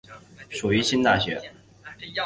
属于新大学。